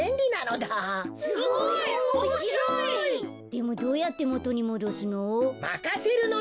でもどうやってもとにもどすの？